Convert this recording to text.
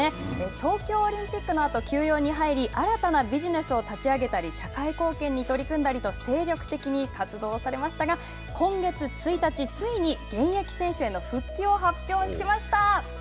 東京オリンピックのあと休養に入り、新たなビジネスを立ち上げたり、社会貢献に取り組んだりと精力的に活動をされましたが、今月１日、ついに現役選手への復帰を発表しました。